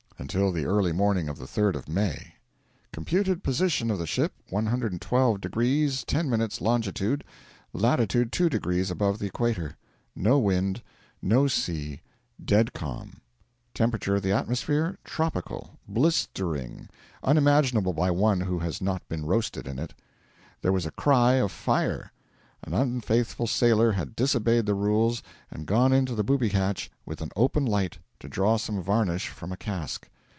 Until the early morning of the 3rd of May. Computed position of the ship 112 degrees 10 minutes longitude, latitude 2 degrees above the equator; no wind, no sea dead calm; temperature of the atmosphere, tropical, blistering, unimaginable by one who has not been roasted in it. There was a cry of fire. An unfaithful sailor had disobeyed the rules and gone into the booby hatch with an open light to draw some varnish from a cask.